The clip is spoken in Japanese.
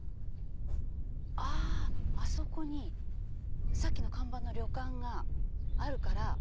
あっあそこにさっきの看板の旅館があるから。